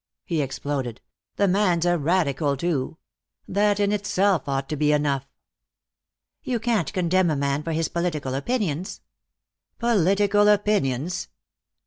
he exploded. "The man's a radical, too. That in itself ought to be enough." "You can't condemn a man for his political opinions." "Political opinions!"